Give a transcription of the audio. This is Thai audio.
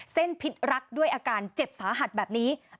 พิษรักด้วยอาการเจ็บสาหัสแบบนี้